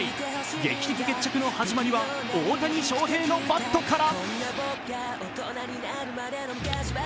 劇的決着の始まりは大谷翔平のバットから。